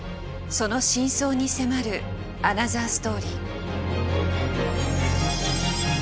その真相に迫るアナザーストーリー。